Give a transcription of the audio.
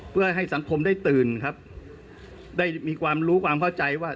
เพื่อให้สังคมได้ตื่นครับได้มีความรู้ความเข้าใจว่า